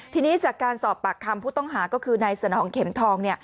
ทีนี้จากการสอบปากคำผู้ต้องหาก็คือนายสนองเข็มทอง